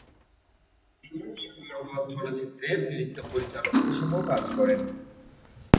তিনি "নীলা পর্বত" চলচ্চিত্রের নৃত্য পরিচালক হিসেবেও কাজ করেন।